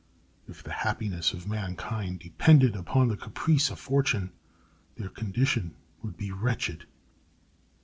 If the happiness of mankind depended upon the caprice of fortune, their condition would be wretched.